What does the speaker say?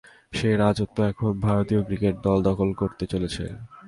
সে রাজত্ব এখন ভারতীয় ক্রিকেট দল দখল করতে চলেছে।